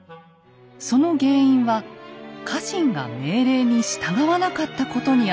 その原因は家臣が命令に従わなかったことにありました。